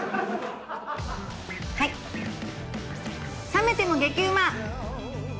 冷めても激うま！